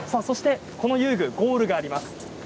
この遊具、ゴールがあります。